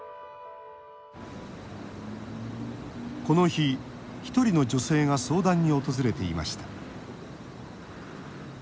この日、１人の女性が相談に訪れていました。